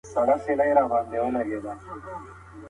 د اودس پر مهال اوبه کمې مصرف کړئ.